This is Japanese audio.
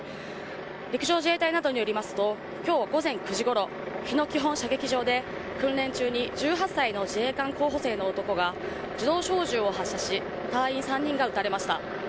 陸上自衛隊などによりますと今日午前９時ごろ日野基本射撃場で訓練中に１８歳の自衛官候補生の男が自動小銃を発射し隊員３人が撃たれました。